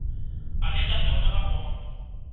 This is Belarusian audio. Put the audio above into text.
Але да пэўнага моманту.